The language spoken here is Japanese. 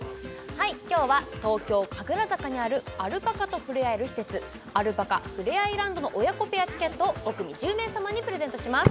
今日は東京・神楽坂にあるアルパカと触れ合える施設アルパカふれあいランドの親子ペアチケットを５組１０名様にプレゼントします